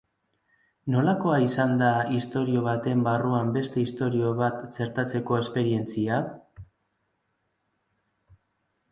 Nolakoa izan da istorio baten barruan beste istorio bat txertatzeko esperientzia?